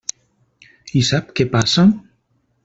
I sap què passa?